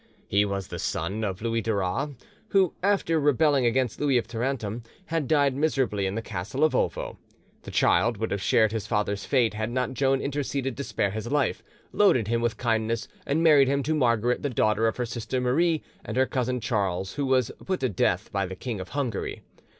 He was the son of Louis Duras, who after rebelling against Louis of Tarentum, had died miserably in the castle of Ovo. The child would have shared his father's fate had not Joan interceded to spare his life, loaded him with kindness, and married him to Margaret, the daughter of her sister Marie and her cousin Charles, who was put to death by the King of Hungary.